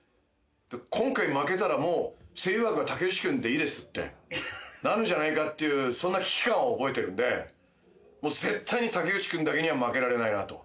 今回負けたらもう声優枠は武内君でいいですってなるんじゃないかっていうそんな危機感を覚えてるんでもう絶対に武内君だけには負けられないなと。